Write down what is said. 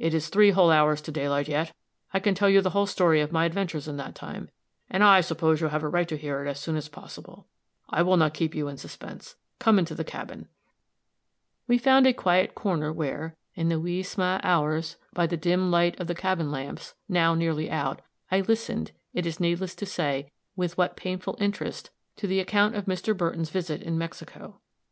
It is three whole hours to daylight yet. I can tell you the whole story of my adventures in that time, and I suppose you have a right to hear it as soon as possible. I will not keep you in suspense. Come into the cabin." We found a quiet corner, where, in the "wee sma' hours," by the dim light of the cabin lamps, now nearly out, I listened, it is needless to say with what painful interest, to the account of Mr. Burton's visit in Mexico.